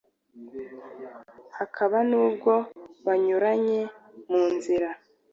Hakaba n’ubwo banyuranye mu nzira.